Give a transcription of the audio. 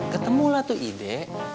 ketemulah tuh ide